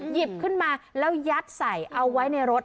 หยิบขึ้นมาแล้วยัดใส่เอาไว้ในรถ